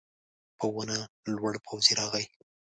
په ونه لوړ پوځي راغی.